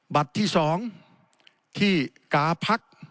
ที่๒ที่กาพัก